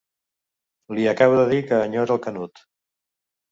Li acaba de dir que enyora el Canut.